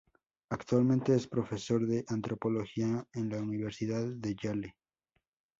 Actualmente es Profesor de Antropología en la Universidad de Yale.